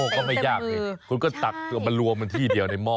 ก็ไม่ยากคุณก็ตักมันรวมที่เดียวในหม้อ